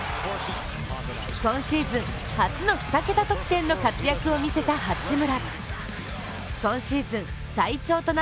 今シーズン初の２桁得点の活躍を見せた八村。